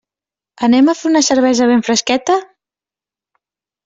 Anem a fer una cervesa ben fresqueta?